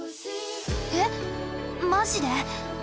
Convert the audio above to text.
えっマジで！？